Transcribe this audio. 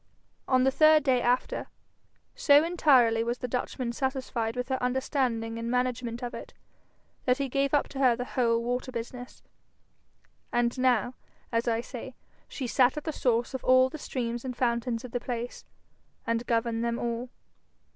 On the third day after, so entirely was the Dutchman satisfied with her understanding and management of it, that he gave up to her the whole water business. And now, as I say, she sat at the source of all the streams and fountains of the place, and governed them all.